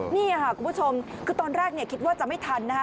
นี่ค่ะคุณผู้ชมคือตอนแรกคิดว่าจะไม่ทันนะฮะ